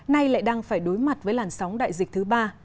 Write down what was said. nay lại đang phải đối mặt với làn sóng đại dịch thứ ba